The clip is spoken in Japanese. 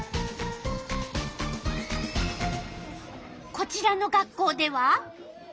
こちらの学校では。